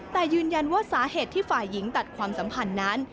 แต่ยืนยันว่าสาเหตุที่ฝ่ายหญิงตัดความสัมพันธ์นั้น